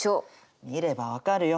見れば分かるよ